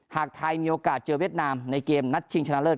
หากไทยมีโอกาสเจอเวียดนามในเกมนัดชิงชนะเลิศ